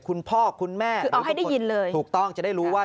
คุณพ่อคุณแม่ถูกต้องจะได้รู้ว่า